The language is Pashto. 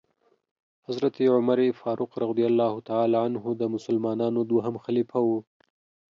حضرت عمرفاروق رضی الله تعالی عنه د مسلمانانو دوهم خليفه وو .